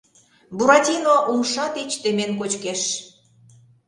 Буратино умша тич темен кочкеш.